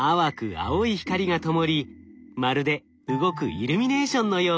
青い光がともりまるで動くイルミネーションのよう。